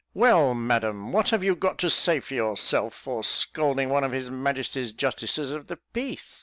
"Well, Madam, what have you got to say for yourself for scalding one of his Majesty's Justices of the Peace?